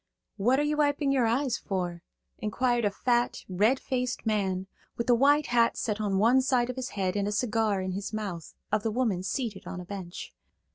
"What are you wiping your eyes for?" inquired a fat, red faced man, with a white hat set on one side of his head and a cigar in his mouth, of the woman seated on a bench.